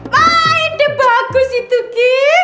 baik bagus itu gigi